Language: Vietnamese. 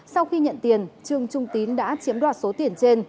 sau khi nhận tiền trương trung tín đã chiếm đoạt số tiền trên